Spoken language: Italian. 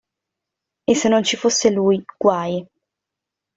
E se non ci fosse lui, guai!